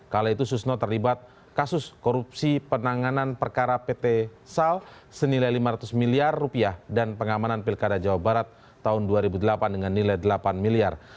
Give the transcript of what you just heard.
kala itu susno terlibat kasus korupsi penanganan perkara pt sal senilai lima ratus miliar rupiah dan pengamanan pilkada jawa barat tahun dua ribu delapan dengan nilai delapan miliar